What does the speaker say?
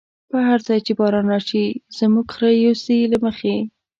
په هر ځای چی باران راشی، زموږ خره يوسی له مخی